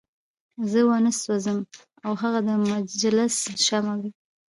زه وانه سوځم او هغه د مجلس شمع وي.